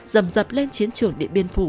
dầm dập lên chiến trường điện biên phủ